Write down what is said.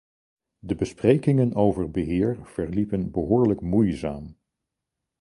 De besprekingen over beheer verliepen behoorlijk moeizaam.